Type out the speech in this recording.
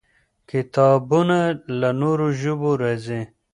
کتابونه له نورو ژبو راځي.